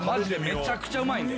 めちゃくちゃうまいんで。